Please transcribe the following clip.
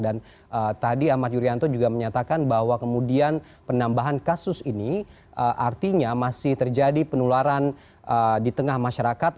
dan tadi ahmad yuryanto juga menyatakan bahwa kemudian penambahan kasus ini artinya masih terjadi penularan di tengah masyarakat